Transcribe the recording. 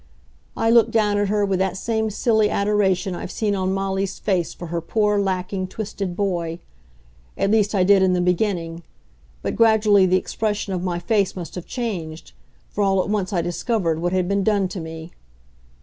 I looked down at her with that same silly adoration I've seen on Molly's face for her poor, lacking, twisted boy. At least, I did in the beginning. But gradually the expression of my face must have changed; for all at once I discovered what had been done to me.